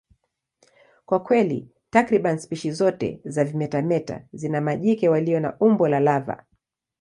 Kwa kweli, takriban spishi zote za vimetameta zina majike walio na umbo la lava.